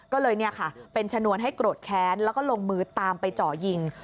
ก็เลยเป็นชนวนให้โกรธแค้นแล้วก็ลงมือตามไปเจาะยิง